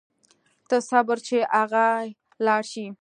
ته صبر چې اغئ لاړ شي.